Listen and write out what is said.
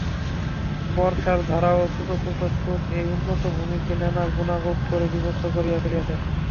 বর্ষার ধারা ও ছোটো ছোটো স্রোত এই উন্নত ভূমিকে নানা গুহাগহ্বরে বিভক্ত করিয়া ফেলিয়াছে।